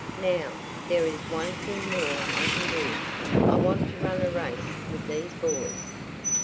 "Now, there is one thing more I can do. I want to run a race with these boys."